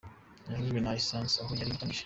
Yokejwe na Essance aho yari umukanishi.